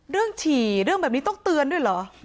ฉี่เรื่องแบบนี้ต้องเตือนด้วยเหรอ